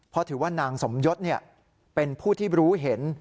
เพราะถือว่านางสมยศเป็นผู้ที่รู้เห็น